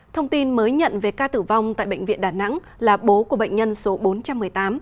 thông tin mới nhận về ca tử vong tại bệnh viện đà nẵng là bố của bệnh nhân số bốn trăm một mươi tám